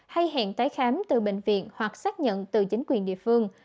hay hẹn tái khám từ bệnh viện hoặc xác nhận từ chính quyền địa phương